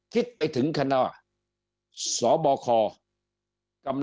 คิดไปถึงคณะว่า